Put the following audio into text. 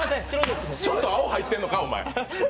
ちょっと青入ってんのか？